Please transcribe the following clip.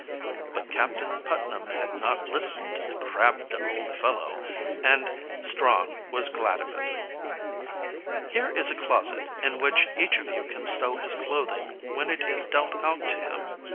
But Captain Putnam had not listened to the crabbed old fellow, and Strong was glad of it. "Here is a closet, in which each of you can stow his clothing when it is dealt out to him.